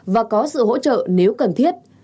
và có sự hỗ trợ nếu cần thiết